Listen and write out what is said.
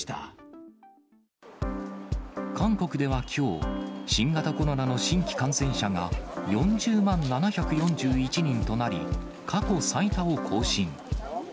韓国ではきょう、新型コロナの新規感染者が４０万７４１人となり、過去最多を更新。